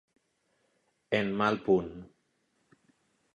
En mal punt.